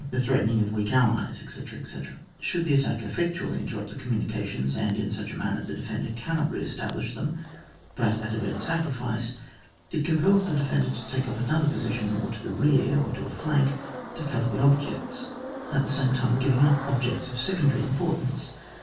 the threatening of weak allies, etc., etc Should the attack effectually interrupt the commimications, and in such a manner that the defender cannot re establish them but at a great sacrifice, it compels the defender to take up another position more to the rear or to a flank to cover the objects, at the same time giving up objects of secondary importance.